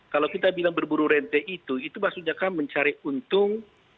kalau kita bilang berburu rente itu itu maksudnya kan mencari untung